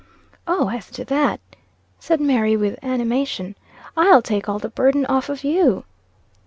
"O, as to that," said Mary, with animation: "I'll take all the burden off of you."